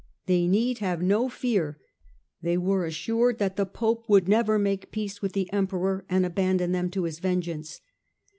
They need have no fear, they were assured, that the Pope would ever make peace with the Emperor and abandon them to his vengeance.